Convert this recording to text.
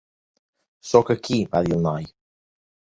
"Soc aquí," va dir el noi.